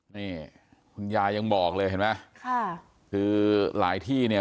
นี่คุณยายยังบอกเลยเห็นไหมค่ะคือหลายที่เนี่ย